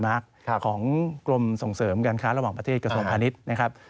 มาร์คของกรมส่งเสริมการค้าระหว่างประเทศกระทรวงพาณิชย์นะครับ